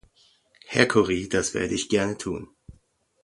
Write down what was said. Herr Corrie, dies werde ich gern tun.